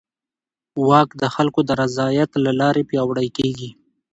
واک د خلکو د رضایت له لارې پیاوړی کېږي.